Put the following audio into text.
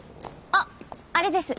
あっあれです